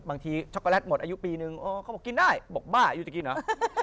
ช็อกโกแลตหมดอายุปีนึงเขาบอกกินได้บอกบ้าอายุจะกินเหรอ